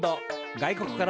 外国から！？